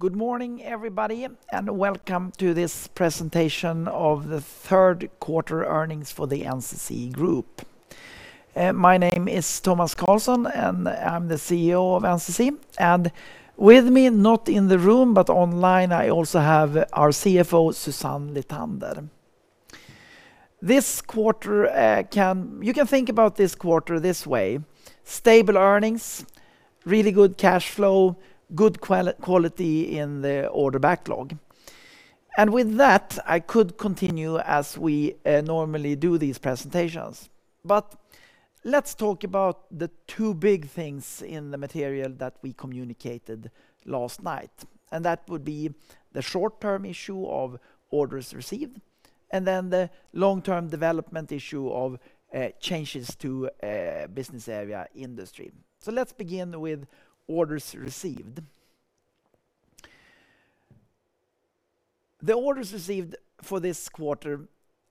Good morning, everybody. Welcome to this presentation of the third quarter earnings for the NCC Group. My name is Tomas Carlsson, and I'm the CEO of NCC. With me, not in the room but online, I also have our CFO, Susanne Lithander. You can think about this quarter this way. Stable earnings, really good cash flow, good quality in the order backlog. With that, I could continue as we normally do these presentations. Let's talk about the two big things in the material that we communicated last night. That would be the short-term issue of orders received, and then the long-term development issue of changes to Business Area Industry. Let's begin with orders received. The orders received for this quarter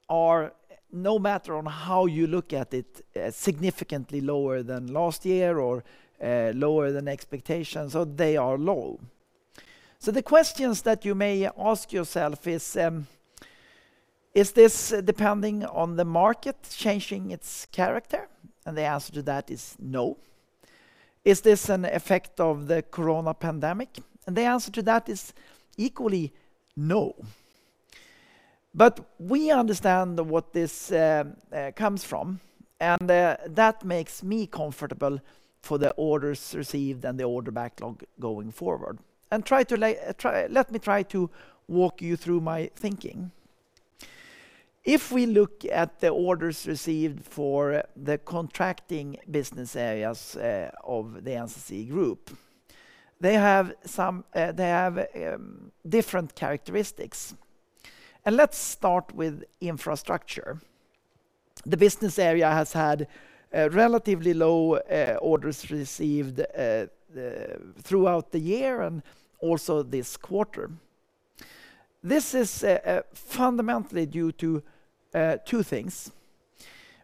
are, no matter on how you look at it, significantly lower than last year or lower than expectations, so they are low. The questions that you may ask yourself is this depending on the market changing its character? The answer to that is no. Is this an effect of the COVID pandemic? The answer to that is equally no. We understand what this comes from, and that makes me comfortable for the orders received and the order backlog going forward. Let me try to walk you through my thinking. If we look at the orders received for the contracting business areas of the NCC Group, they have different characteristics. Let's start with Infrastructure. The business area has had relatively low orders received throughout the year and also this quarter. This is fundamentally due to two things.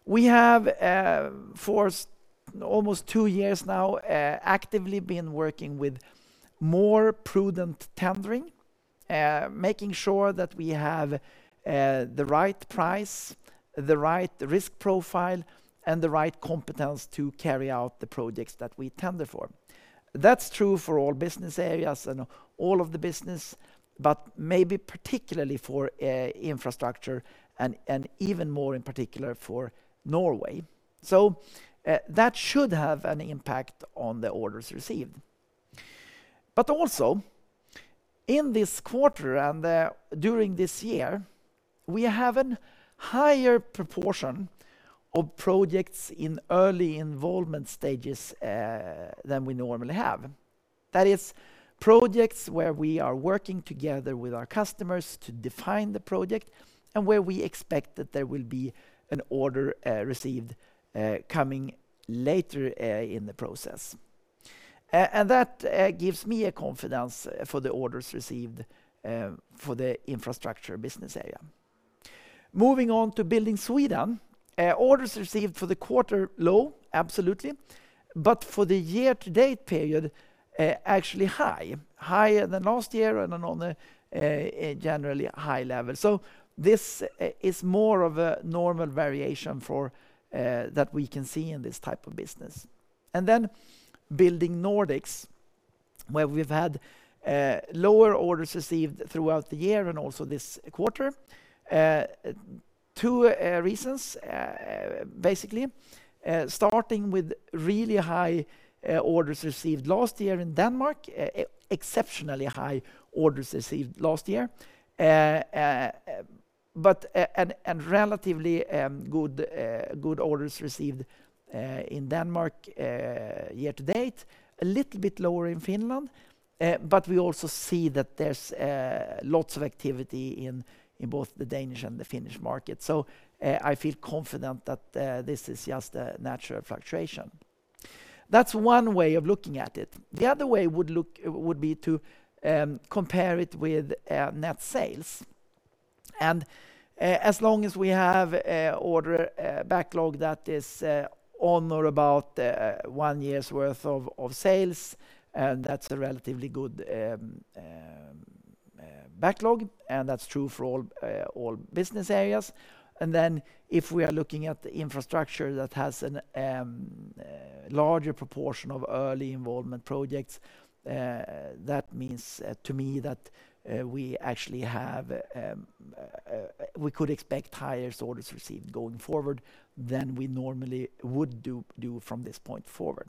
We have, for almost two years now, actively been working with more prudent tendering, making sure that we have the right price, the right risk profile, and the right competence to carry out the projects that we tender for. That's true for all business areas and all of the business, but maybe particularly for Infrastructure and even more in particular for Norway. That should have an impact on the orders received. Also in this quarter and during this year, we have a higher proportion of projects in early involvement stages than we normally have. That is, projects where we are working together with our customers to define the project and where we expect that there will be an order received coming later in the process. That gives me a confidence for the orders received for the Infrastructure business area. Moving on to Building Sweden. Orders received for the quarter, low, absolutely. For the year-to-date period, actually high. Higher than last year and on a generally high level. This is more of a normal variation that we can see in this type of business. Building Nordics, where we've had lower orders received throughout the year and also this quarter. Two reasons, basically. Starting with really high orders received last year in Denmark, exceptionally high orders received last year, and relatively good orders received in Denmark year-to-date. A little bit lower in Finland, but we also see that there's lots of activity in both the Danish and the Finnish market. I feel confident that this is just a natural fluctuation. That's one way of looking at it. The other way would be to compare it with net sales. As long as we have order backlog that is on or about one year's worth of sales, that's a relatively good backlog, and that's true for all business areas. If we are looking at the infrastructure that has a larger proportion of early involvement projects, that means to me that we could expect higher orders received going forward than we normally would do from this point forward.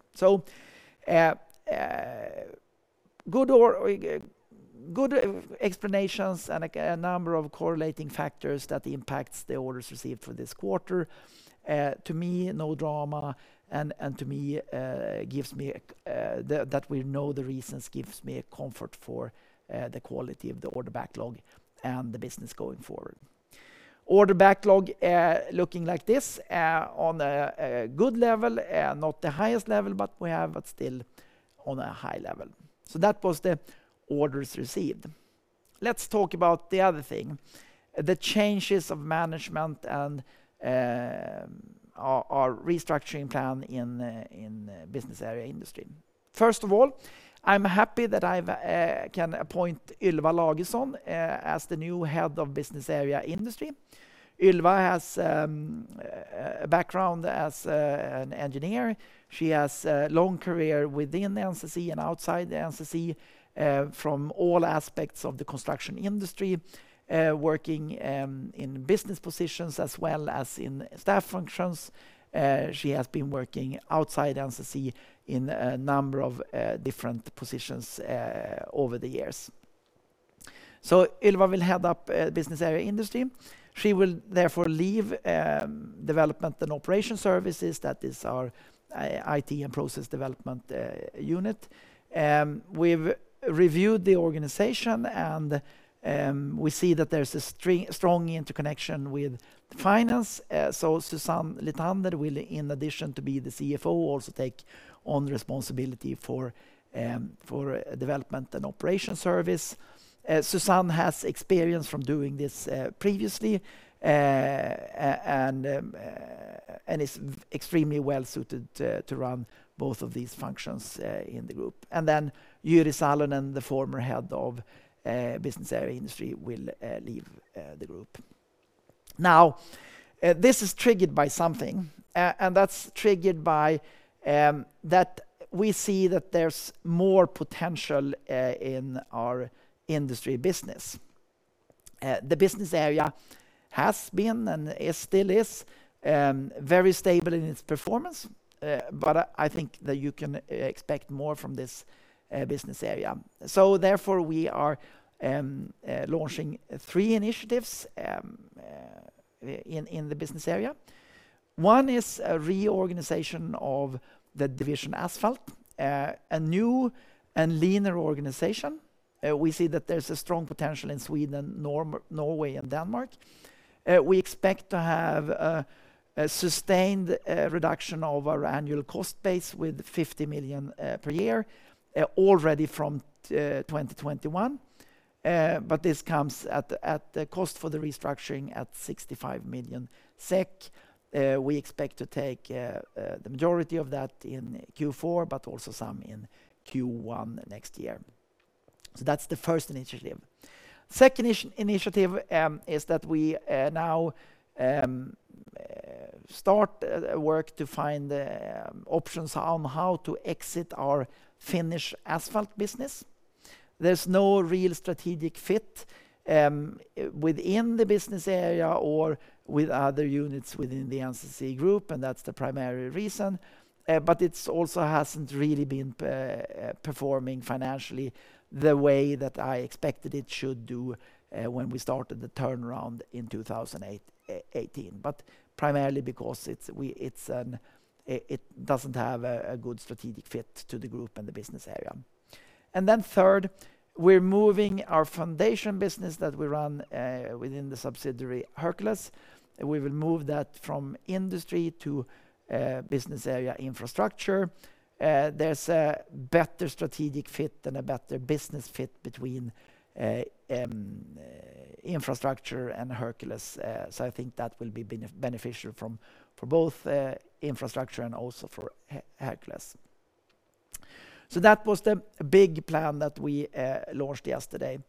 Good explanations and a number of correlating factors that impacts the orders received for this quarter. To me, no drama, and that we know the reasons gives me a comfort for the quality of the order backlog and the business going forward. Order backlog looking like this, on a good level, not the highest level, but still on a high level. That was the orders received. Let's talk about the other thing, the changes of management and our restructuring plan in the Business Area Industry. First of all, I'm happy that I can appoint Ylva Lagesson as the new head of Business Area Industry. Ylva has a background as an engineer. She has a long career within NCC and outside NCC from all aspects of the construction industry, working in business positions as well as in staff functions. She has been working outside NCC in a number of different positions over the years. Ylva will head up Business Area Industry. She will therefore leave Development and Operation Services. That is our IT and process development unit. We've reviewed the organization, and we see that there's a strong interconnection with finance. Susanne Lithander will, in addition to being the CFO, also take on responsibility for development and operation service. Susanne has experience from doing this previously, and is extremely well-suited to run both of these functions in the group. Jyri Salonen, the former Head of Business Area Industry, will leave the group. This is triggered by something, and that's triggered by that we see that there's more potential in our industry business. The business area has been and still is very stable in its performance, but I think that you can expect more from this business area. Therefore, we are launching three initiatives in the business area. One is a reorganization of the division Asphalt, a new and leaner organization. We see that there's a strong potential in Sweden, Norway, and Denmark. We expect to have a sustained reduction of our annual cost base with 50 million per year already from 2021. This comes at the cost for the restructuring at 65 million SEK. We expect to take the majority of that in Q4, but also some in Q1 next year. That's the first initiative. Second initiative is that we now start work to find options on how to exit our Finnish asphalt business. There's no real strategic fit within the business area or with other units within the NCC Group, and that's the primary reason. It also hasn't really been performing financially the way that I expected it should do when we started the turnaround in 2018. Primarily because it doesn't have a good strategic fit to the group and the business area. Third, we're moving our foundation business that we run within the subsidiary Hercules. We will move that from industry to Business Area Infrastructure. There's a better strategic fit and a better business fit between Infrastructure and Hercules. I think that will be beneficial for both infrastructure and also for Hercules. That was the big plan that we launched yesterday.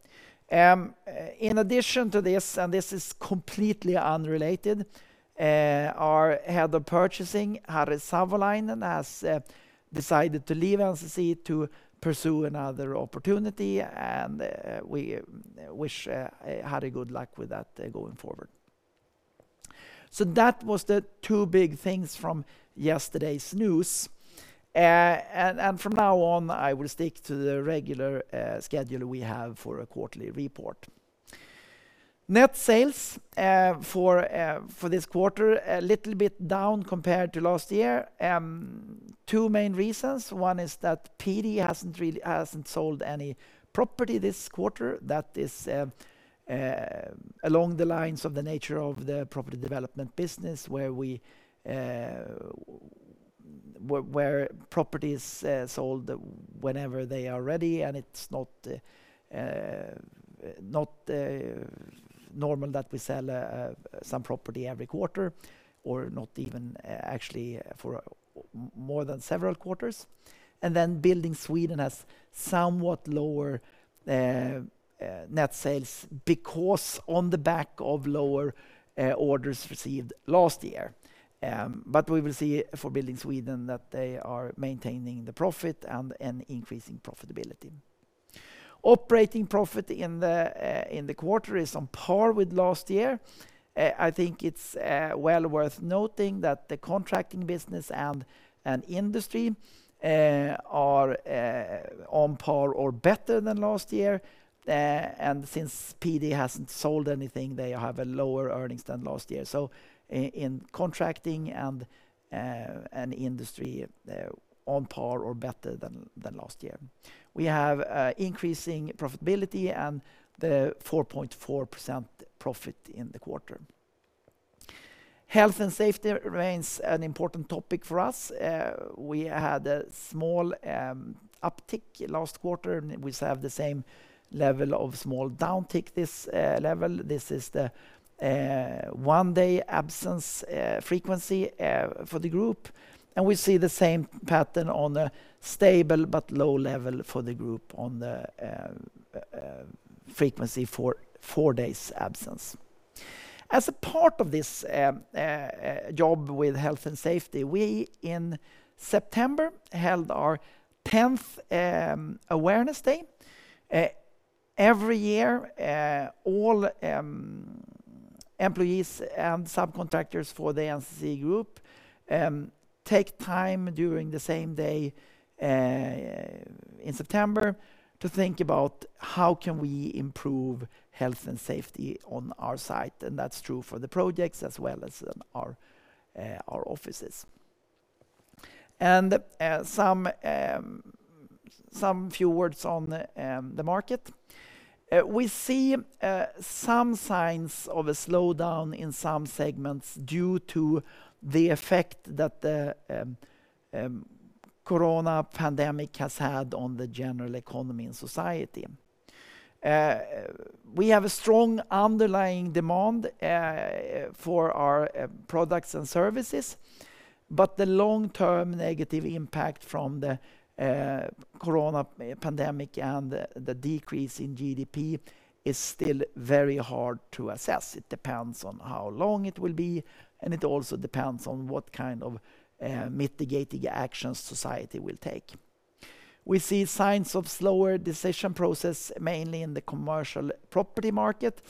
In addition to this, and this is completely unrelated, our Head of Purchasing, Harri Savolainen, has decided to leave NCC to pursue another opportunity, and we wish Harri good luck with that going forward. That was the two big things from yesterday's news. From now on, I will stick to the regular schedule we have for a quarterly report. Net sales for this quarter, a little bit down compared to last year. Two main reasons. One is that PD hasn't sold any property this quarter. That is along the lines of the nature of the property development business, where properties are sold whenever they are ready, and it's not normal that we sell some property every quarter, or not even actually for more than several quarters. Building Sweden has somewhat lower net sales because on the back of lower orders received last year. We will see for Building Sweden that they are maintaining the profit and increasing profitability. Operating profit in the quarter is on par with last year. I think it's well worth noting that the contracting business and industry are on par or better than last year. Since PD hasn't sold anything, they have a lower earnings than last year. In contracting and industry, they're on par or better than last year. We have increasing profitability and the 4.4% profit in the quarter. Health and safety remains an important topic for us. We had a small uptick last quarter, we have the same level of small downtick this level. This is the one-day absence frequency for the group. We see the same pattern on a stable but low level for the group on the frequency for four days absence. As a part of this job with health and safety, we, in September, held our 10th Awareness Day. Every year, all employees and subcontractors for the NCC Group take time during the same day in September to think about how can we improve health and safety on our site, and that's true for the projects as well as in our offices. Some few words on the market. We see some signs of a slowdown in some segments due to the effect that the corona pandemic has had on the general economy and society. We have a strong underlying demand for our products and services, but the long-term negative impact from the corona pandemic and the decrease in GDP is still very hard to assess. It depends on how long it will be, and it also depends on what kind of mitigating actions society will take. We see signs of slower decision process, mainly in the commercial property market,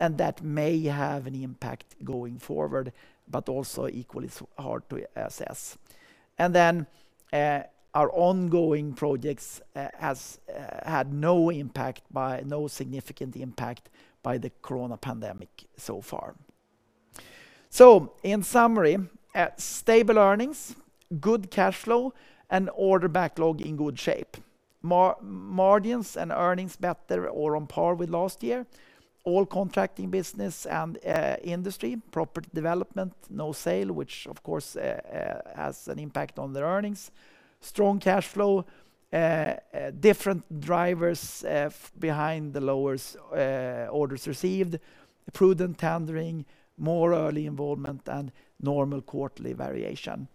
and that may have an impact going forward, but also equally hard to assess. Our ongoing projects had no significant impact by the corona pandemic so far. In summary, stable earnings, good cash flow, and order backlog in good shape. Margins and earnings better or on par with last year. All contracting business and Industry, property development, no sale, which of course, has an impact on the earnings. Strong cash flow, different drivers behind the lower orders received, prudent tendering, more early involvement and normal quarterly variation.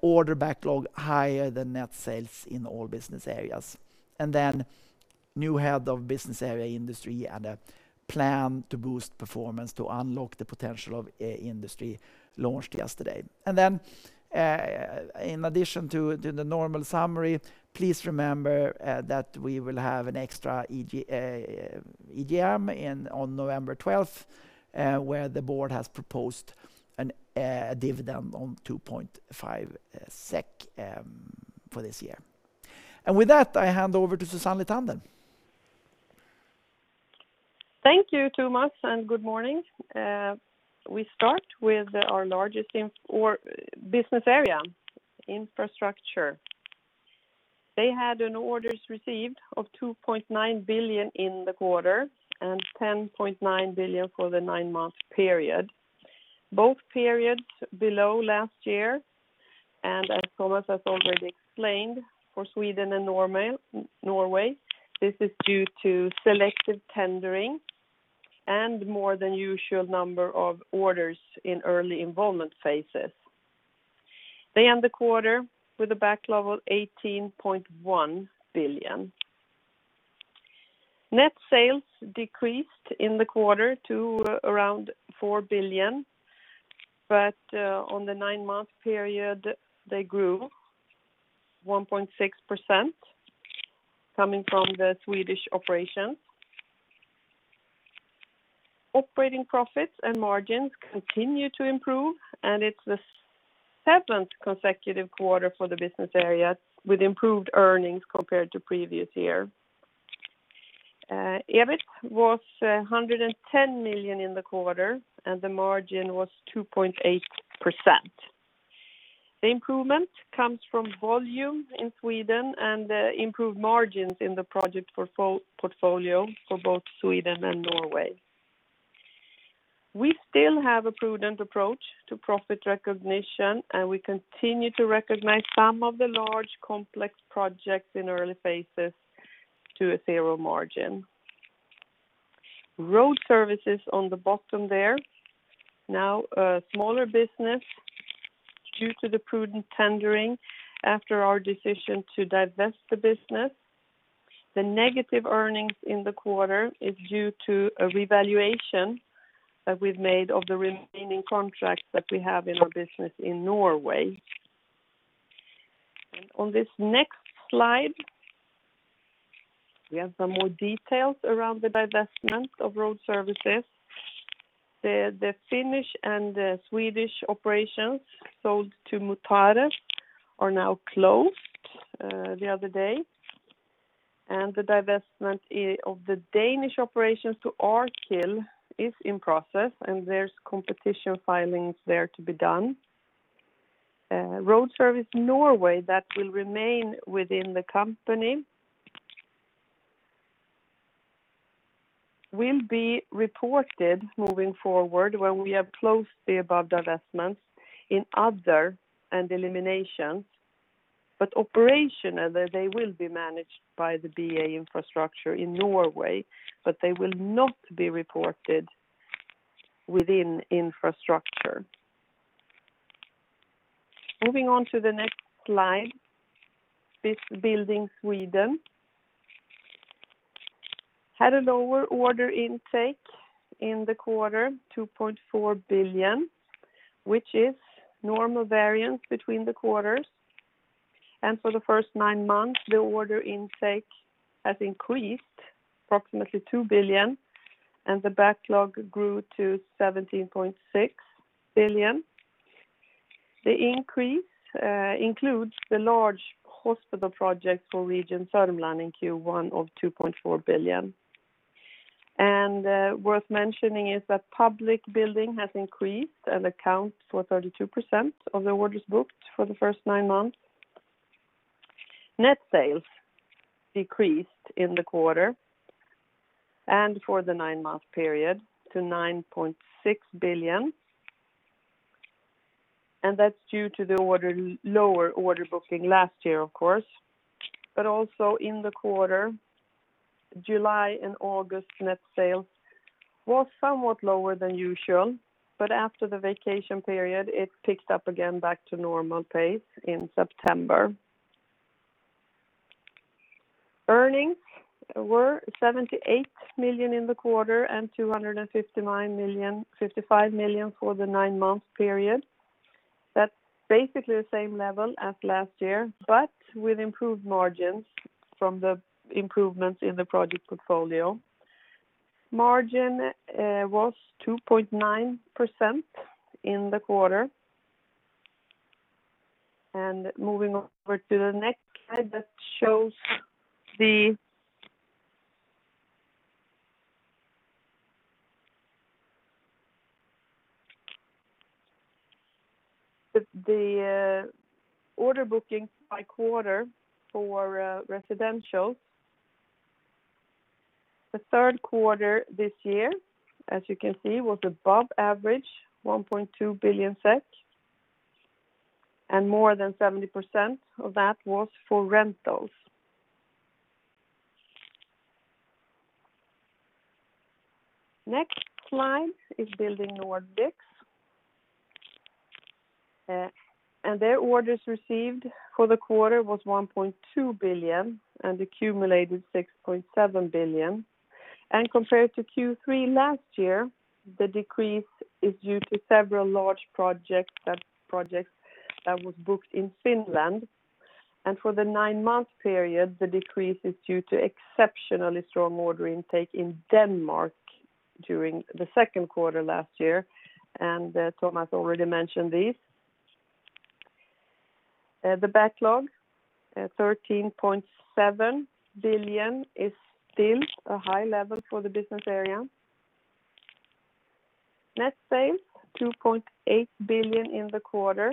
Order backlog higher than net sales in all business areas. New head of Business Area Industry and a plan to boost performance to unlock the potential of Industry launched yesterday. In addition to the normal summary, please remember that we will have an extra EGM on November 12th, where the board has proposed a dividend on 2.5 SEK for this year. With that, I hand over to Susanne Lithander. Thank you, Tomas, and good morning. We start with our largest business area, Infrastructure. They had an orders received of 2.9 billion in the quarter and 10.9 billion for the nine-month period. Both periods below last year. As Tomas has already explained, for Sweden and Norway, this is due to selective tendering and more than usual number of orders in early involvement phases. They end the quarter with a backlog 18.1 billion. Net sales decreased in the quarter to around 4 billion. On the nine-month period, they grew 1.6%, coming from the Swedish operations. Operating profits and margins continue to improve. It's the seventh consecutive quarter for the business area with improved earnings compared to previous year. EBIT was 110 million in the quarter. The margin was 2.8%. The improvement comes from volume in Sweden and improved margins in the project portfolio for both Sweden and Norway. We still have a prudent approach to profit recognition. We continue to recognize some of the large, complex projects in early phases to a zero margin. Road Services on the bottom there, now a smaller business due to the prudent tendering after our decision to divest the business. The negative earnings in the quarter is due to a revaluation that we've made of the remaining contracts that we have in our business in Norway. On this next slide, we have some more details around the divestment of Road Services. The Finnish and the Swedish operations sold to Mutares are now closed the other day. The divestment of the Danish operations to Arkil is in process. There's competition filings there to be done. Road Service Norway, that will remain within the company. It will be reported moving forward when we have closed the above divestments in Other and Eliminations. Operationally, they will be managed by the BA Infrastructure in Norway, but they will not be reported within Infrastructure. Moving on to the next slide. This Building Sweden had a lower order intake in the quarter, 2.4 billion, which is normal variance between the quarters. For the first nine months, the order intake has increased approximately 2 billion, and the backlog grew to 17.6 billion. The increase includes the large hospital projects for Region Sörmland in Q1 of 2.4 billion. Worth mentioning is that public building has increased and accounts for 32% of the orders booked for the first nine months. Net sales decreased in the quarter and for the nine-month period to 9.6 billion. That's due to the lower order booking last year, of course, but also in the quarter, July and August net sales were somewhat lower than usual, but after the vacation period, it picked up again back to normal pace in September. Earnings were 78 million in the quarter and 255 million for the nine-month period. That's basically the same level as last year, but with improved margins from the improvements in the project portfolio. Margin was 2.9% in the quarter. Moving over to the next slide that shows the order booking by quarter for residential. The third quarter this year, as you can see, was above average 1.2 billion SEK, and more than 70% of that was for rentals. Next slide is Building Nordics. Their orders received for the quarter was 1.2 billion and accumulated 6.7 billion. Compared to Q3 last year, the decrease is due to several large projects that was booked in Finland. For the nine-month period, the decrease is due to exceptionally strong order intake in Denmark during the second quarter last year, and Tomas already mentioned this. The backlog at 13.7 billion is still a high level for the business area. Net sales, 2.8 billion in the quarter,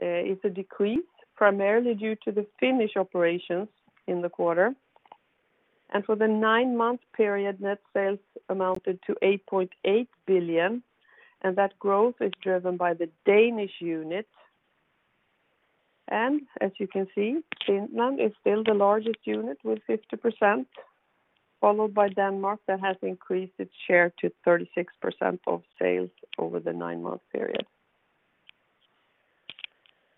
is a decrease primarily due to the Finnish operations in the quarter. For the nine-month period, net sales amounted to 8.8 billion, and that growth is driven by the Danish unit. As you can see, Finland is still the largest unit with 50%, followed by Denmark that has increased its share to 36% of sales over the nine-month period.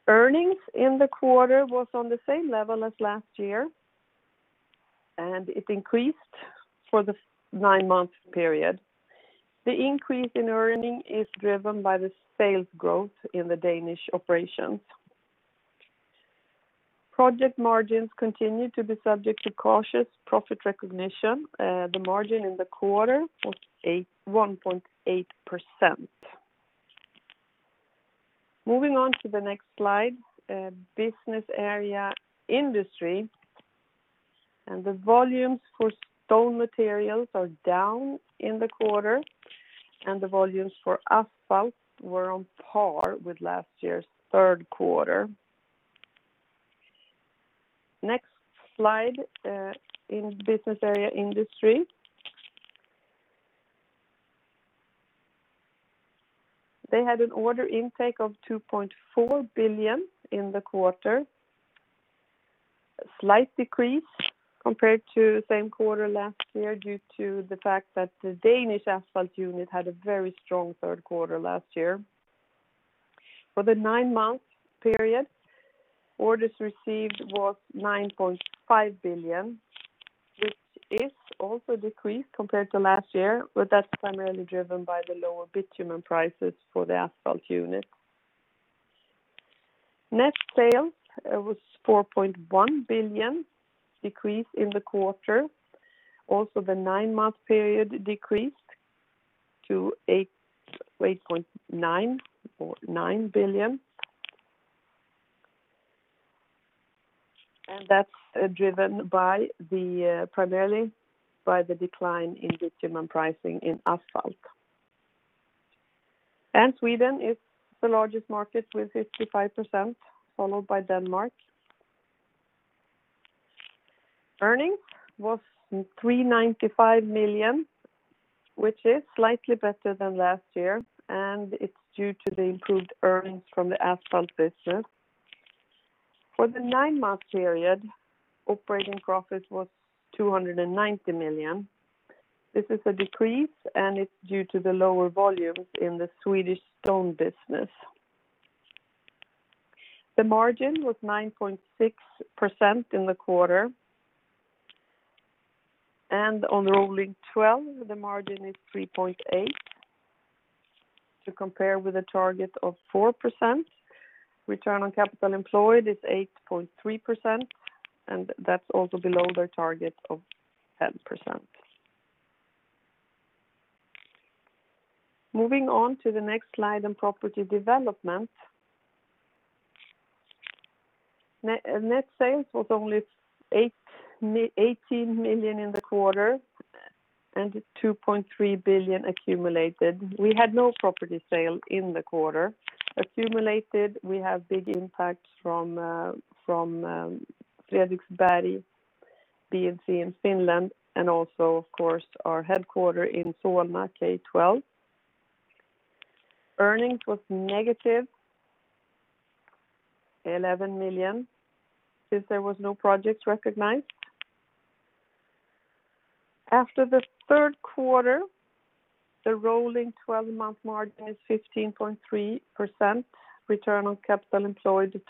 Earnings in the quarter was on the same level as last year, and it increased for the nine-month period. The increase in earnings is driven by the sales growth in the Danish operations. Project margins continue to be subject to cautious profit recognition. The margin in the quarter was 1.8%. Moving on to the next slide, Business Area Industry. The volumes for stone materials are down in the quarter, and the volumes for asphalt were on par with last year's third quarter. Next slide in Business Area Industry. They had an order intake of 2.4 billion in the quarter. A slight decrease compared to the same quarter last year, due to the fact that the Danish asphalt unit had a very strong third quarter last year. For the nine-month period, orders received was 9.5 billion, which is also decreased compared to last year, but that's primarily driven by the lower bitumen prices for the asphalt unit. Net sales was 4.1 billion, decrease in the quarter. The nine-month period decreased to 8.9 billion or 9 billion. That is driven primarily by the decline in bitumen pricing in asphalt. Sweden is the largest market with 55%, followed by Denmark. Earnings was 395 million, which is slightly better than last year, and it's due to the improved earnings from the asphalt business. For the nine-month period, operating profit was 290 million. This is a decrease, and it's due to the lower volumes in the Swedish stone business. The margin was 9.6% in the quarter. On rolling 12, the margin is 3.8%, to compare with a target of 4%. Return on capital employed is 8.3%, and that's also below their target of 10%. Moving on to the next slide on property development. Net sales was only 18 million in the quarter and 2.3 billion accumulated. We had no property sale in the quarter. Accumulated, we have big impacts from Fredriksberg D in Finland and also, of course, our headquarters in Solna, K12. Earnings was -11 million since there was no project recognized. After the third quarter, the rolling 12-month margin is 15.3%. Return on Capital Employed to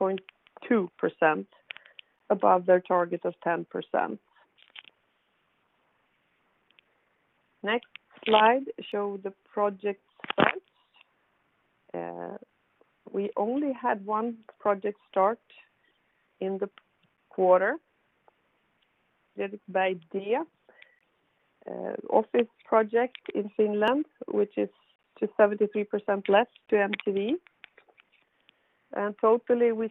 12.2%, above their target of 10%. Next slide show the project starts. We only had one project start in the quarter. Fredriksberg D office project in Finland, which is to 73% leased to MTV. Totally we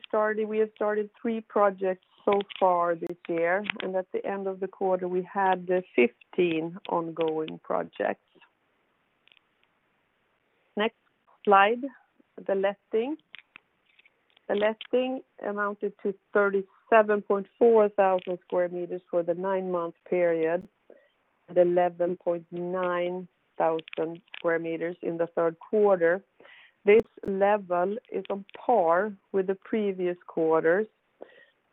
have started three projects so far this year, and at the end of the quarter, we had 15 ongoing projects. Next slide, the letting. The letting amounted to 37,400 sq m for the nine-month period and 11,900 sq m in the third quarter. This level is on par with the previous quarters,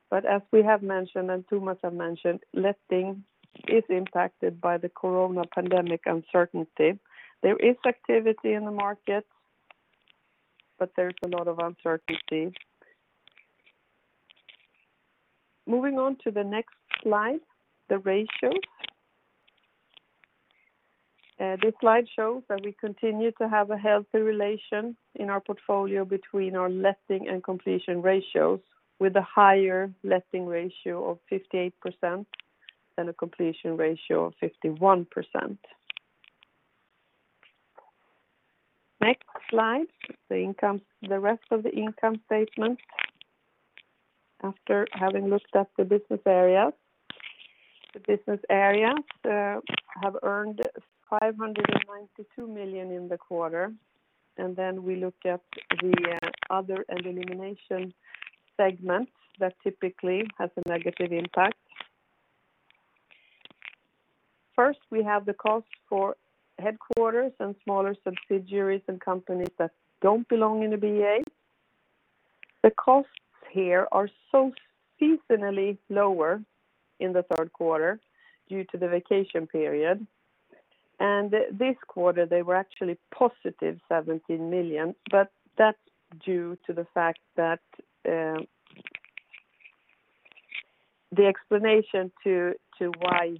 but as we have mentioned, and Tomas has mentioned, letting is impacted by the coronavirus pandemic uncertainty. There is activity in the market, but there's a lot of uncertainty. Moving on to the next slide, the ratios. This slide shows that we continue to have a healthy relation in our portfolio between our letting and completion ratios, with a higher letting ratio of 58% and a completion ratio of 51%. Next slide, the rest of the income statement after having looked at the business areas. The business areas have earned 592 million in the quarter, and then we look at the other and elimination segments that typically has a negative impact. First, we have the cost for headquarters and smaller subsidiaries and companies that don't belong in the BA. The costs here are seasonally lower in the third quarter due to the vacation period. This quarter they were actually +17 million, but that's due to the fact that the explanation to why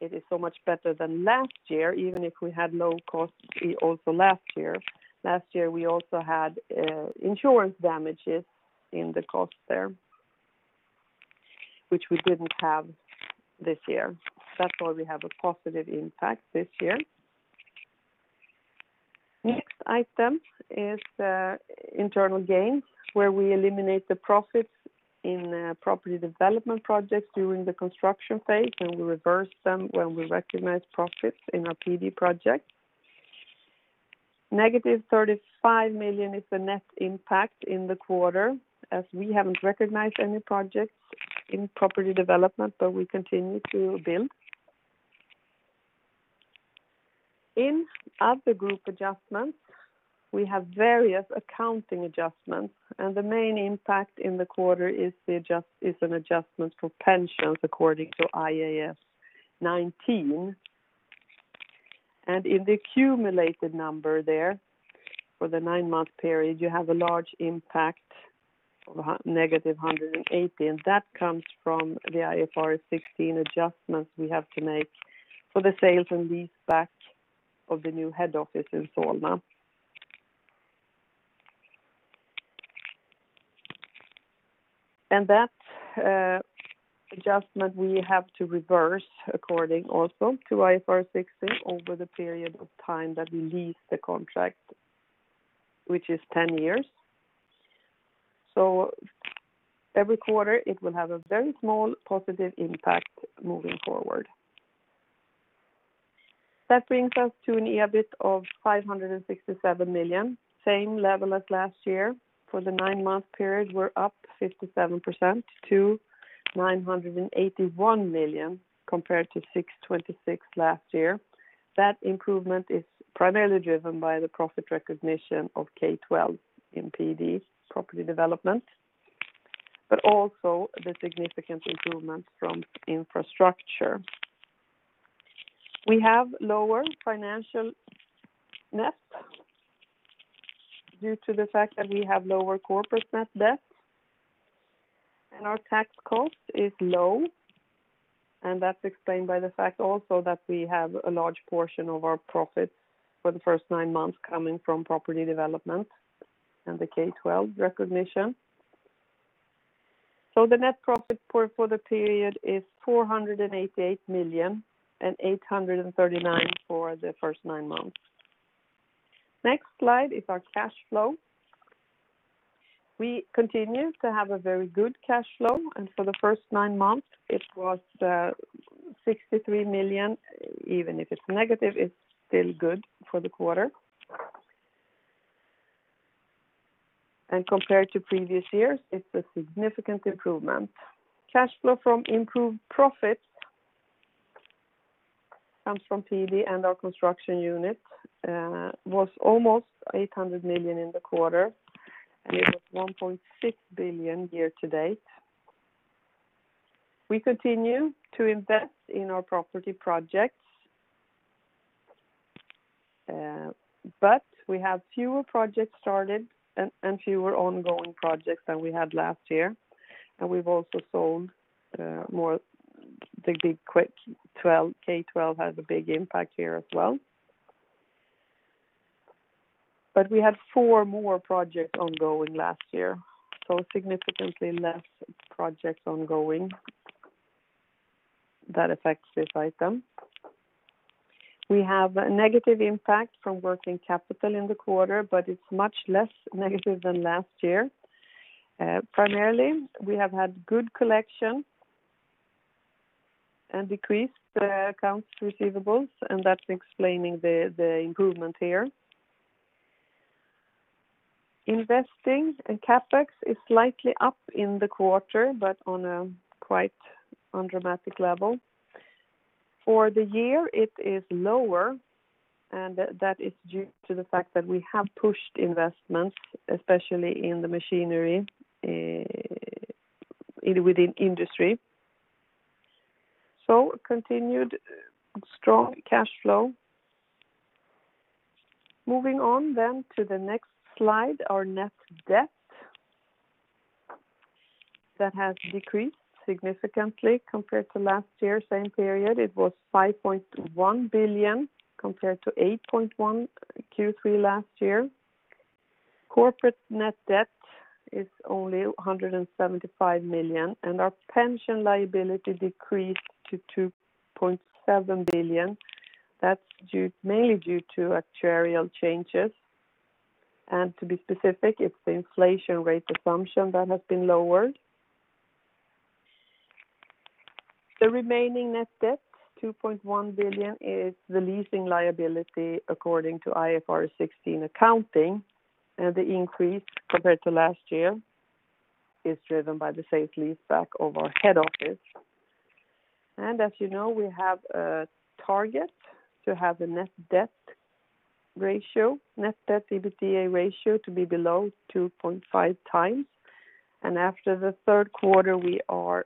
it is so much better than last year, even if we had low costs also last year. Last year, we also had insurance damages in the cost there, which we didn't have this year. That's why we have a positive impact this year. Next item is internal gains, where we eliminate the profits in property development projects during the construction phase, and we reverse them when we recognize profits in our PD project. -35 million is the net impact in the quarter as we haven't recognized any projects in property development, but we continue to build. In other group adjustments, we have various accounting adjustments. The main impact in the quarter is an adjustment for pensions according to IAS 19. In the accumulated number there for the nine-month period, you have a large impact of -118. That comes from the IFRS 16 adjustments we have to make for the sales and lease back of the new head office in Solna. That adjustment we have to reverse according also to IFRS 16 over the period of time that we lease the contract, which is 10 years. Every quarter it will have a very small positive impact moving forward. That brings us to an EBIT of 567 million, same level as last year. For the nine-month period, we're up 57% to 981 million compared to 626 last year. That improvement is primarily driven by the profit recognition of K12 in PD, Property Development, but also the significant improvement from Infrastructure. We have lower financial net due to the fact that we have lower corporate net debt, and our tax cost is low, and that's explained by the fact also that we have a large portion of our profits for the first nine months coming from Property Development and the K12 recognition. The net profit for the period is 488 million and 839 million for the first nine months. Next slide is our cash flow. We continue to have a very good cash flow, and for the first nine months it was 63 million. Even if it's negative, it's still good for the quarter. Compared to previous years, it's a significant improvement. Cash flow from improved profit comes from PD and our construction unit was almost 800 million in the quarter, and it was 1.6 billion year-to-date. We continue to invest in our property projects, but we have fewer projects started and fewer ongoing projects than we had last year. We've also sold more. The big K12 has a big impact here as well. We had four more projects ongoing last year, so significantly less projects ongoing. That affects this item. We have a negative impact from working capital in the quarter, but it's much less negative than last year. Primarily, we have had good collection and decreased accounts receivables, and that's explaining the improvement here. Investing and CapEx is slightly up in the quarter, but on a quite undramatic level. For the year, it is lower. That is due to the fact that we have pushed investments, especially in the machinery within Industry. Continued strong cash flow. Moving on to the next slide, our net debt. That has decreased significantly compared to last year, same period. It was 5.1 billion compared to 8.1 Q3 last year. Corporate net debt is only 175 million. Our pension liability decreased to 2.7 billion. That's mainly due to actuarial changes. To be specific, it's the inflation rate assumption that has been lowered. The remaining net debt, 2.1 billion, is the leasing liability according to IFRS 16 accounting. The increase compared to last year is driven by the sale leaseback of our head office. As you know, we have a target to have the net debt ratio, net debt-EBITDA ratio to be below 2.5x. After the third quarter, we are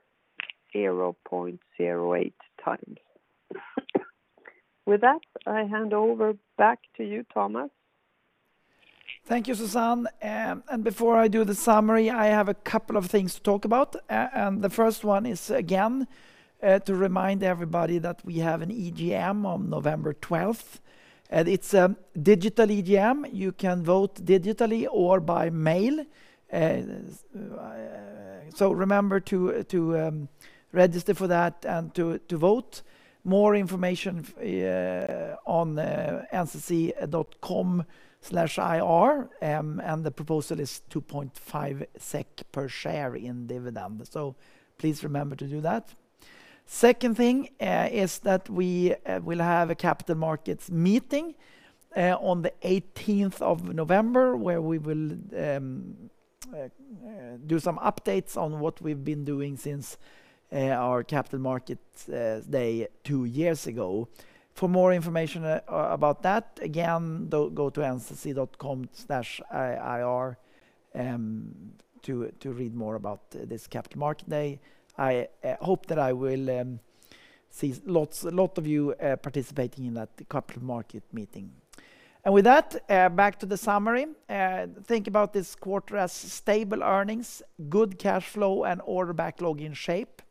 0.08x. With that, I hand over back to you, Tomas. Thank you, Susanne. Before I do the summary, I have a couple of things to talk about. The first one is, again, to remind everybody that we have an EGM on November 12th. It's a digital EGM. You can vote digitally or by mail. Remember to register for that and to vote. More information on ncc.com/ir, the proposal is 2.5 SEK per share in dividend. Please remember to do that. Second thing is that we will have a Capital Markets Meeting on the 18th of November, where we will do some updates on what we've been doing since our Capital Markets Day two years ago. For more information about that, again, go to ncc.com/ir to read more about this Capital Markets Day. I hope that I will see a lot of you participating in that Capital Markets Meeting. With that, back to the summary. Think about this quarter as stable earnings, good cash flow, and order backlog in shape.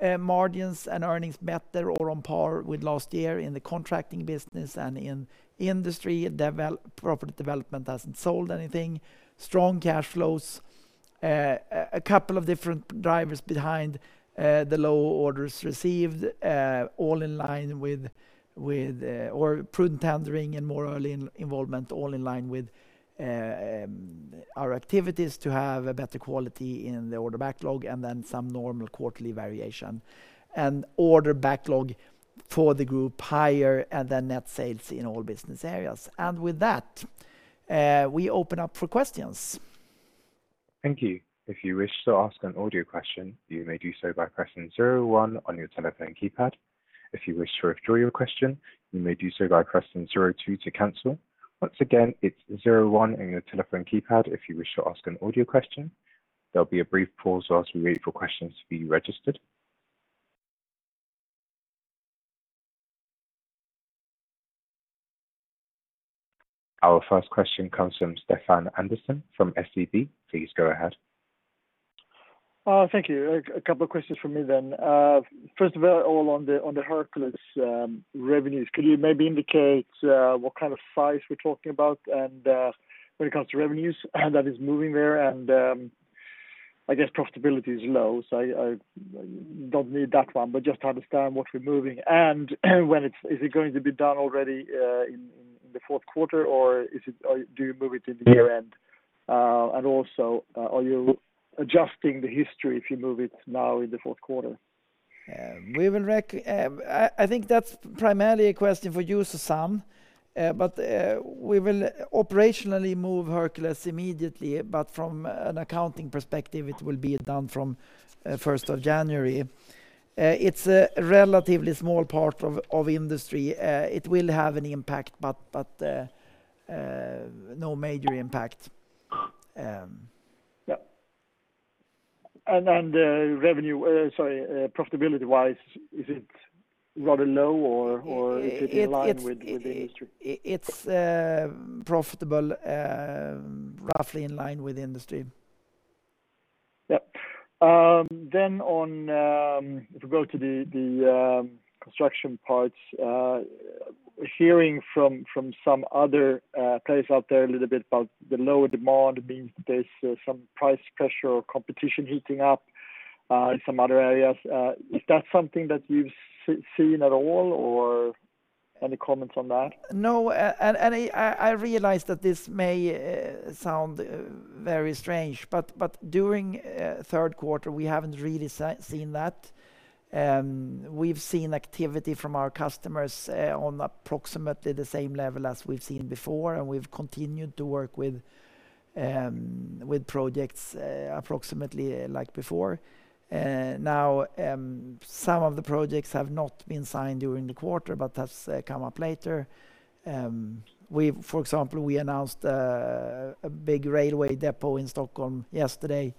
Margins and earnings better or on par with last year in the contracting business and in industry. Property development hasn't sold anything. Strong cash flows. A couple of different drivers behind the low orders received, prudent tendering, and more early involvement, all in line with our activities to have a better quality in the order backlog and then some normal quarterly variation. Order backlog for the group higher than net sales in all business areas. With that, we open up for questions. Our first question comes from Stefan Andersson from SEB. Please go ahead. Thank you. A couple of questions from me then. First of all, on the Hercules revenues, could you maybe indicate what kind of size we're talking about and, when it comes to revenues that is moving there, and I guess profitability is low, so I don't need that one, but just to understand what we're moving. Is it going to be done already in the fourth quarter, or do you move it to the year-end? Also, are you adjusting the history if you move it now in the fourth quarter? I think that's primarily a question for you, Susanne. We will operationally move Hercules immediately, but from an accounting perspective, it will be done from 1st of January. It's a relatively small part of industry. It will have an impact, but no major impact. Yeah. Revenue, sorry profitability-wise, is it rather low or is it in line with the industry? It's profitable, roughly in line with the industry. Yep. On, if we go to the construction parts, hearing from some other players out there a little bit about the lower demand means that there's some price pressure or competition heating up in some other areas. Is that something that you've seen at all, or any comments on that? I realize that this may sound very strange, but during third quarter, we haven't really seen that. We've seen activity from our customers on approximately the same level as we've seen before, and we've continued to work with projects approximately like before. Now, some of the projects have not been signed during the quarter, but that's come up later. For example, we announced a big railway depot in Stockholm yesterday.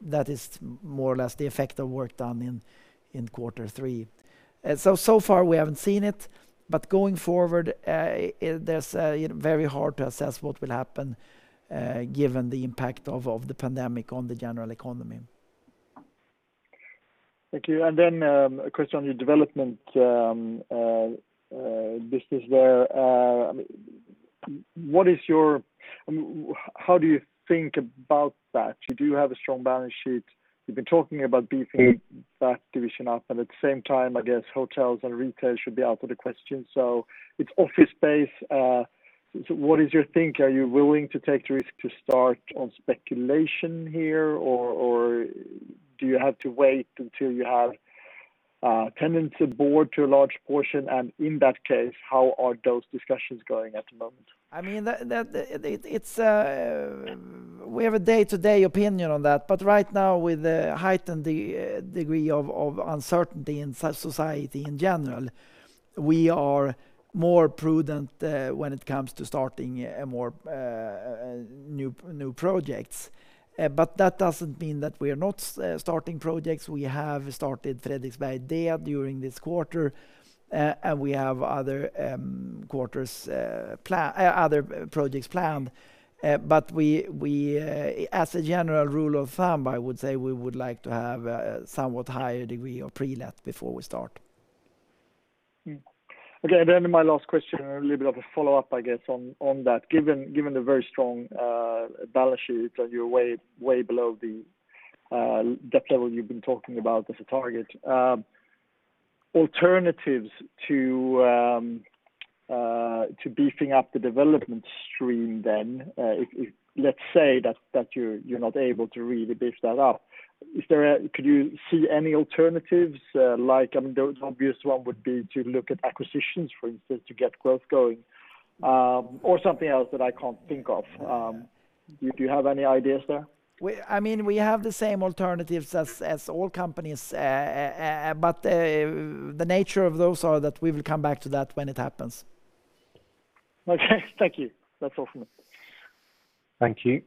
That is more or less the effect of work done in quarter three. So far we haven't seen it, but going forward, there's very hard to assess what will happen, given the impact of the pandemic on the general economy. Thank you. Then, a question on your development business there. How do you think about that? You do have a strong balance sheet. You've been talking about beefing that division up, and at the same time, I guess hotels and retail should be out of the question. It's office space. What is your think? Are you willing to take the risk to start on speculation here, or do you have to wait until you have tenants aboard to a large portion? In that case, how are those discussions going at the moment? We have a day-to-day opinion on that. Right now with the heightened degree of uncertainty in society in general, we are more prudent when it comes to starting more new projects. That doesn't mean that we're not starting projects. We have started Fredriksberg D during this quarter. We have other projects planned. As a general rule of thumb, I would say we would like to have a somewhat higher degree of pre-let before we start. My last question, a little bit of a follow-up, I guess on that. Given the very strong balance sheet and you're way below the debt level you've been talking about as a target. Alternatives to beefing up the development stream then, if let's say that you're not able to really beef that up. Could you see any alternatives? The obvious one would be to look at acquisitions, for instance, to get growth going, or something else that I can't think of. Do you have any ideas there? We have the same alternatives as all companies. The nature of those are that we will come back to that when it happens. Okay, thank you. That's all from me. Thank you.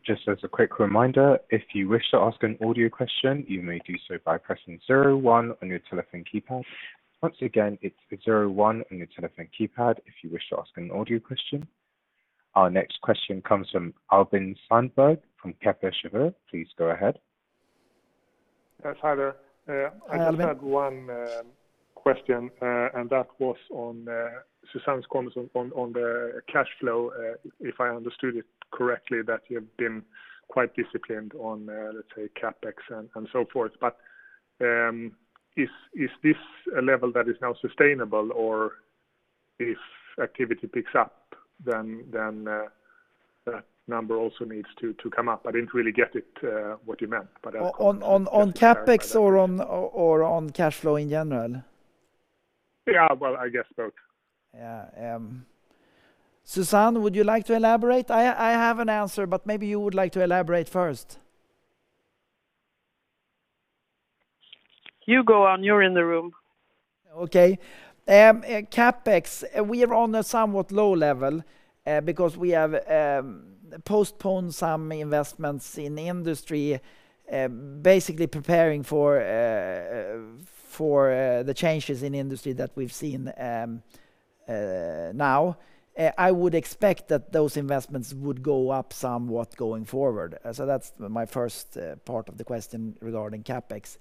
Our next question comes from Albin Sandberg from Kepler Cheuvreux. Please go ahead. Yes, hi there. Hi, Albin. I just had one question, that was on Susanne's comments on the cash flow. If I understood it correctly, that you've been quite disciplined on, let's say, CapEx and so forth. Is this a level that is now sustainable or if activity picks up then the number also needs to come up? I didn't really get it, what you meant. On CapEx or on cash flow in general? Yeah. Well, I guess both. Yeah. Susanne, would you like to elaborate? I have an answer, but maybe you would like to elaborate first. You go on. You're in the room. Okay. CapEx, we are on a somewhat low level because we have postponed some investments in Industry, basically preparing for the changes in Industry that we've seen now. I would expect that those investments would go up somewhat going forward. That's my first part of the question regarding CapEx.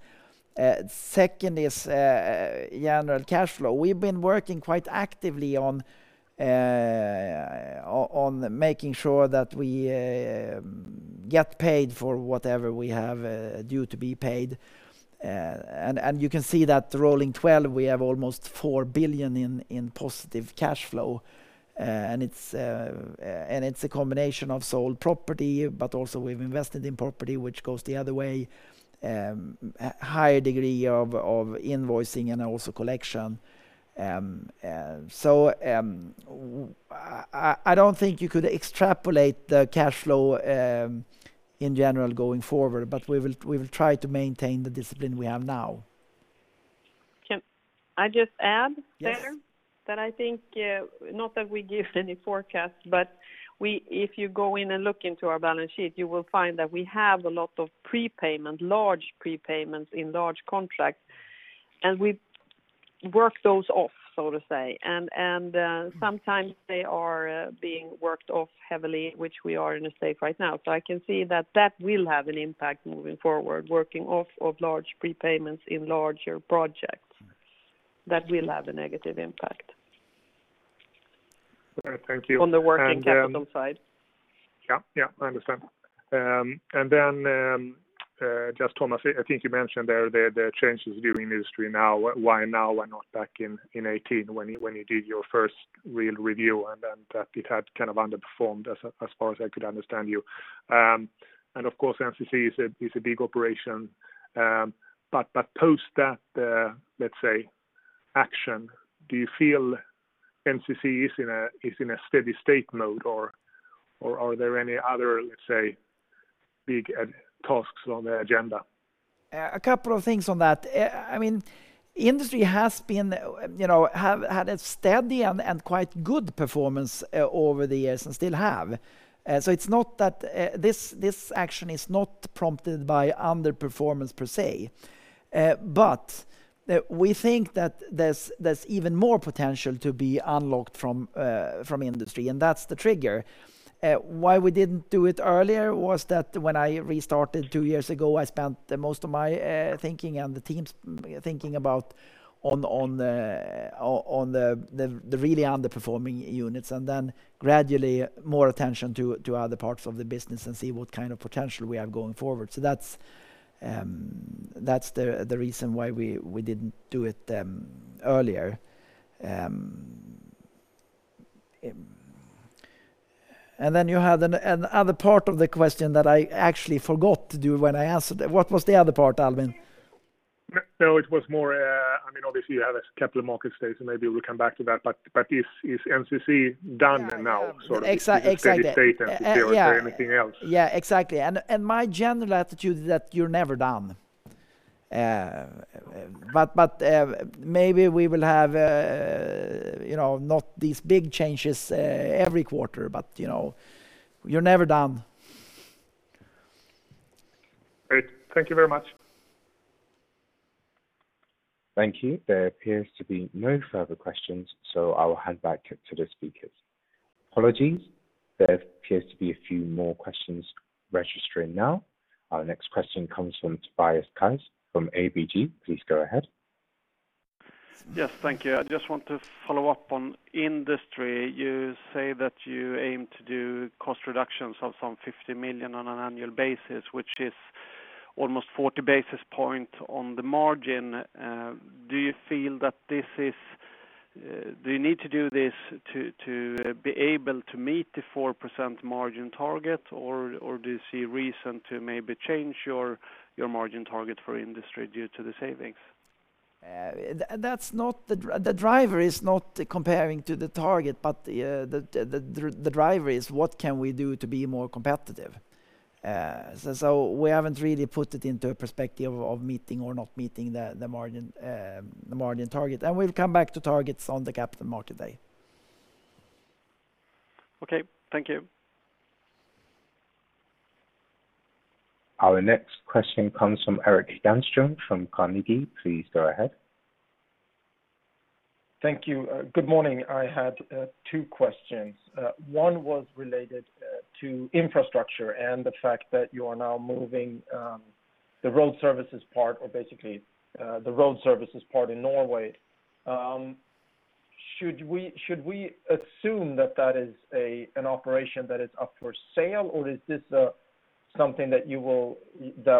Second is general cash flow. We've been working quite actively on making sure that we get paid for whatever we have due to be paid. You can see that rolling 12, we have almost 4 billion in positive cash flow. It's a combination of sold property, but also we've invested in property, which goes the other way, a higher degree of invoicing and also collection. I don't think you could extrapolate the cash flow in general going forward, but we will try to maintain the discipline we have now. Can I just add there? That I think, not that we give any forecasts, but if you go in and look into our balance sheet, you will find that we have a lot of large prepayments in large contracts, and we work those off, so to say. Sometimes they are being worked off heavily, which we are in a state right now. I can see that that will have an impact moving forward, working off of large prepayments in larger projects. That will have a negative impact. Thank you. On the working capital side. Yeah. I understand. Just Tomas, I think you mentioned there the changes during Industry now, why now, why not back in 2018 when you did your first real review and then that it had underperformed as far as I could understand you. Of course, NCC is a big operation. Post that, let's say, action, do you feel NCC is in a steady state mode or are there any other, let's say, big tasks on the agenda? A couple of things on that. Industry had a steady and quite good performance over the years and still have. This action is not prompted by underperformance per se. We think that there's even more potential to be unlocked from Industry, and that's the trigger. Why we didn't do it earlier was that when I restarted two years ago, I spent most of my thinking and the team's thinking about on the really underperforming units, and then gradually more attention to other parts of the business and see what kind of potential we have going forward. That's the reason why we didn't do it earlier. You had another part of the question that I actually forgot to do when I answered. What was the other part, Albin? It was more, obviously you have a capital market stage, so maybe we'll come back to that. Is NCC done now? Exactly. Is it steady state NCC or is there anything else? Yeah, exactly. My general attitude is that you're never done. Maybe we will have not these big changes every quarter, but you're never done. Great. Thank you very much. Thank you. There appears to be no further questions, so I will hand back to the speakers. Apologies. There appears to be a few more questions registering now. Our next question comes from Tobias Kaj from ABG. Please go ahead. Yes. Thank you. I just want to follow up on Industry. You say that you aim to do cost reductions of some 50 million on an annual basis, which is almost 40 basis points on the margin. Do you feel that you need to do this to be able to meet the 4% margin target, or do you see reason to maybe change your margin target for Industry due to the savings? The driver is not comparing to the target. The driver is what can we do to be more competitive. We haven't really put it into a perspective of meeting or not meeting the margin target. We'll come back to targets on the capital market day. Okay. Thank you. Our next question comes from Erik Granström from Carnegie. Please go ahead. Thank you. Good morning. I had two questions. One was related to Infrastructure and the fact that you are now moving the road services part or basically the road services part in Norway. Should we assume that that is an operation that is up for sale, or is this something that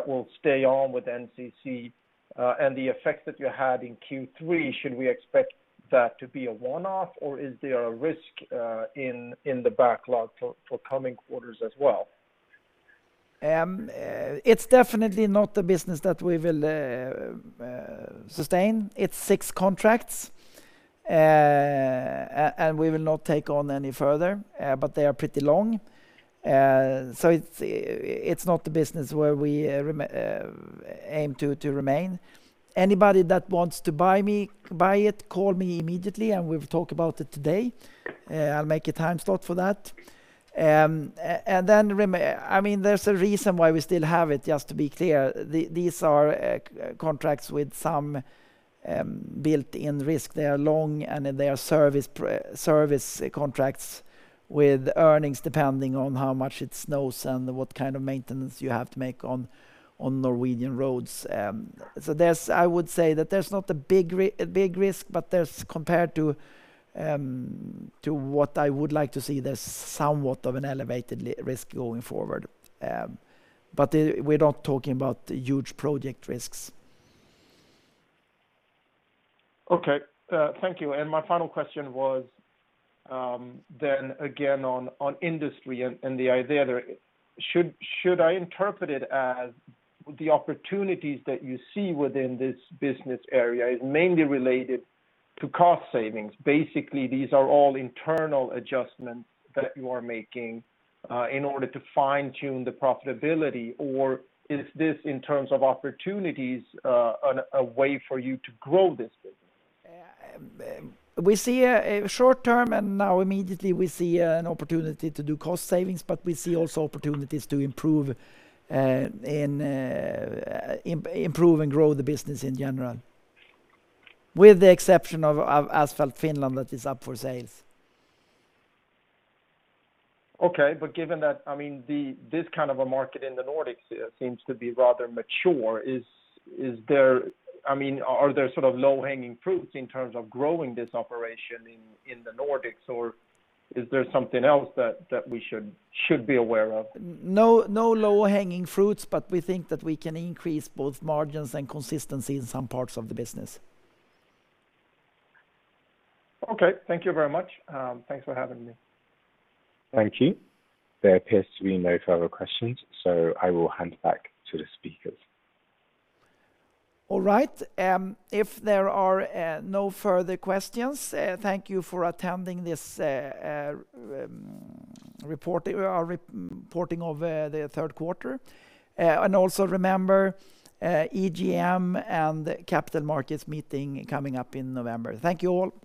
will stay on with NCC? The effects that you had in Q3, should we expect that to be a one-off, or is there a risk in the backlog for coming quarters as well? It's definitely not a business that we will sustain. It's six contracts, and we will not take on any further, but they are pretty long. It's not the business where we aim to remain. Anybody that wants to buy it, call me immediately and we'll talk about it today. I'll make a time slot for that. There's a reason why we still have it, just to be clear. These are contracts with some built-in risk. They are long, and they are service contracts with earnings depending on how much it snows and what kind of maintenance you have to make on Norwegian roads. I would say that there's not a big risk, but compared to what I would like to see, there's somewhat of an elevated risk going forward. We're not talking about huge project risks. Okay. Thank you. My final question was then again on Industry and the idea there. Should I interpret it as the opportunities that you see within this business area is mainly related to cost savings? Basically, these are all internal adjustments that you are making in order to fine-tune the profitability, or is this in terms of opportunities, a way for you to grow this business? We see a short term, and now immediately we see an opportunity to do cost savings, but we see also opportunities to improve and grow the business in general. With the exception of Asphalt Finland, that is up for sale. Okay. Given that this kind of a market in the Nordics seems to be rather mature, are there low-hanging fruits in terms of growing this operation in the Nordics, or is there something else that we should be aware of? No low-hanging fruits, but we think that we can increase both margins and consistency in some parts of the business. Okay. Thank you very much. Thanks for having me. Thank you. There appears to be no further questions, so I will hand back to the speakers. All right. If there are no further questions, thank you for attending our reporting of the third quarter. Also remember, EGM and Capital Markets Meeting coming up in November. Thank you all